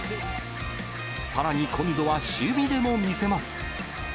さらに今度は守備でも見せます。